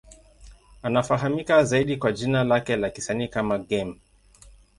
Anafahamika zaidi kwa jina lake la kisanii kama Game.